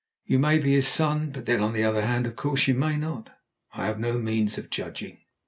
You may be his son, but then, on the other hand, of course, you may not. I have no means of judging."